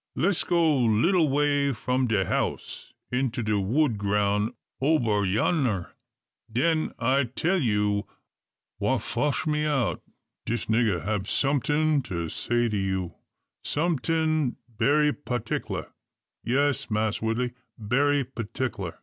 Les' go little way from de house, into de wood groun' ober yonner; den I tell you wha fotch me out. Dis nigger hab someting say to you, someting berry patickler. Yes, Mass Woodley, berry patickler.